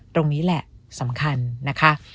ตรงนี้แหละสำคัญนะคะ